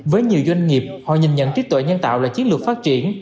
với nhiều doanh nghiệp họ nhìn nhận trí tuệ nhân tạo là chiến lược phát triển